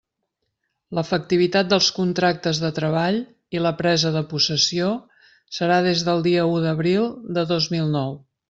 L'efectivitat dels contractes de treball, i la presa de possessió, serà des del dia u d'abril de dos mil nou.